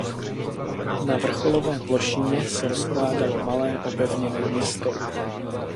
Na vrcholové plošině se rozkládalo malé opevněné město.